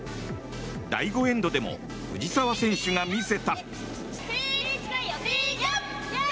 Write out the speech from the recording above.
第５エンドでも藤澤選手が見せた。